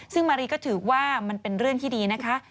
ซึ่งมารีก็ถือว่ามันเป็นเรื่องที่ดีนะคะ